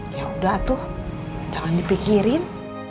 ya udah tuh jangan dipikirin